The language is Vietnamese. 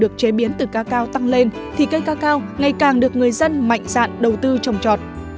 chế biến từ cacao tăng lên thì cây cacao ngày càng được người dân mạnh dạn đầu tư trồng trọt